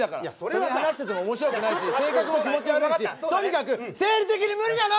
それに話してても面白くはないし性格も気持ち悪いしとにかく生理的に無理なの！